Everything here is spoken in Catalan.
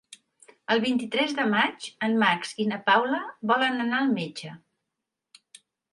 El vint-i-tres de maig en Max i na Paula volen anar al metge.